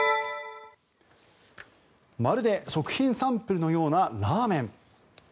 まるで食品サンプルのようなラーメン。